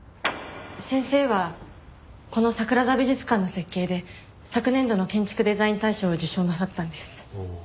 先生はこの桜田美術館の設計で昨年度の建築デザイン大賞を受賞なさったんです。